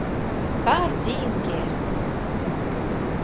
— Картинке!